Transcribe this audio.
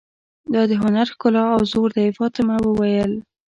دا د هنر ښکلا او زور دی، فاطمه وویل.